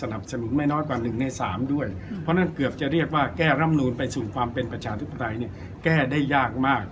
ไม่น้อยกว่า๑ใน๓ด้วยเพราะฉะนั้นเกือบจะเรียกว่าแก้ร่ำนูนไปสู่ความเป็นประชาธิปไตยเนี่ยแก้ได้ยากมาก